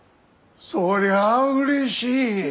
そりゃうれしい。